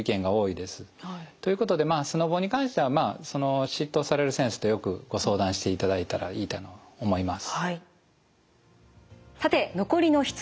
ということでスノボに関しては執刀される先生とよくご相談していただいたらいいと思います。